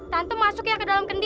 tante masuk ya ke dalam kentangnya